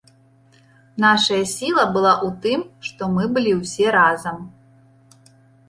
Нашая сіла была ў тым, што мы былі ўсе разам.